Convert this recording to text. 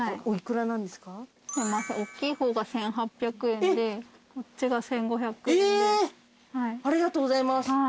おっきい方が１，８００円でこっちが１，５００円です。